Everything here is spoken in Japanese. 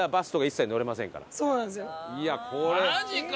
マジか！